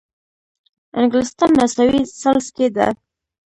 انګلستان مساوي ثلث کې ده.